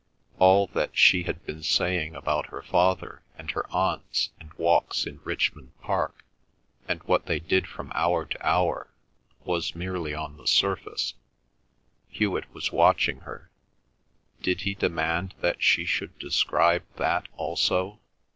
All that she had been saying about her father and her aunts and walks in Richmond Park, and what they did from hour to hour, was merely on the surface. Hewet was watching her. Did he demand that she should describe that also?